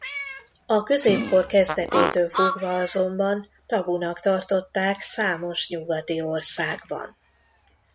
A középkor kezdetétől fogva azonban tabunak tartották számos nyugati országban.